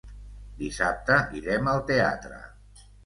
Dissabte irem al teatre.